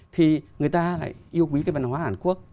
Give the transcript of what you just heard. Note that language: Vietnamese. thì người ta lại yêu quý cái văn hóa hàn quốc